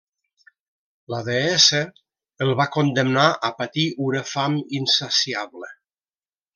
La deessa el va condemnar a patir una fam insaciable.